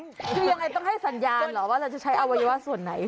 คือยังไงต้องให้สัญญาณเหรอว่าเราจะใช้อวัยวะส่วนไหน